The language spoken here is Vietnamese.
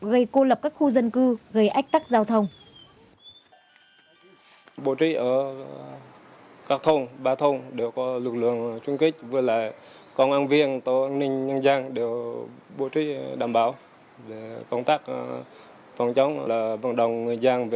gây cô lập các khu dân cư gây ách tắc giao thông